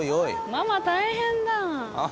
ママ大変だ。